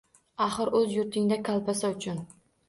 Axir, o’z yurtingda kolbasa uchun